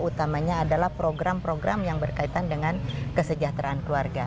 utamanya adalah program program yang berkaitan dengan kesejahteraan keluarga